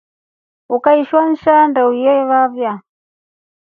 Ukeeshwa nshaa ndeu yevava.